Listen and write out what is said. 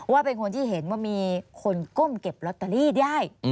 ว่าเป็นคนที่เห็นว่ามีคนก้มเก็บลอตเตอรี่ได้